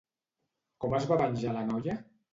Com es va venjar la noia?